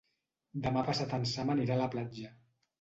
Demà passat en Sam anirà a la platja.